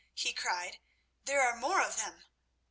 he cried, "there are more of them!"